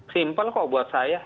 simple kok buat saya